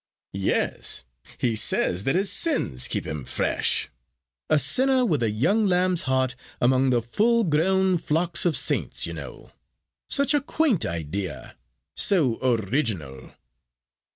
"Yes. He says that his sins keep him fresh. A sinner with a young lamb's heart among the full grown flocks of saints, you know. Such a quaint idea, so original."